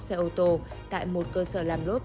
xe ô tô tại một cơ sở làm lốt